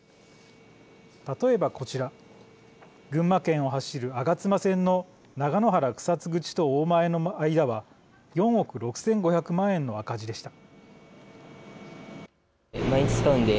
例えば、こちら群馬県を走る吾妻線の長野原草津口と大前の間は４億６５００万円の赤字でした。